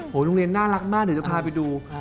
โหโรงเรียนน่ารักมากหนูจะพาไปดู